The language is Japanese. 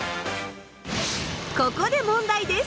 ここで問題です。